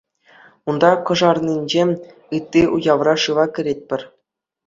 Унта Кӑшарнинче, ытти уявра шыва кӗретпӗр.